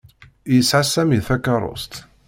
Yesɛa Sami takeṛṛust.